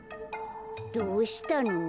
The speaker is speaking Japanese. どうしたの？